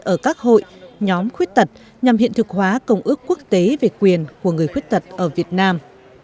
ở các hội nhóm khuyết tật nhằm hiện thực hóa công ước quốc tế về quyền của người khuyết tật ở việt nam